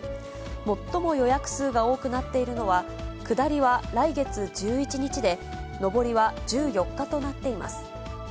最も予約数が多くなっているのは、下りは来月１１日で、上りは１４日となっています。